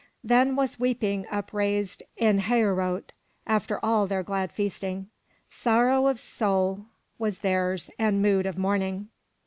Then was weeping upraised in He'o rot after all their glad feast ing. Sorrow of soul Vv^as theirs and mood of mourning.